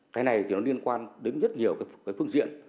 cái này thì nó liên quan đến rất nhiều cái phương diện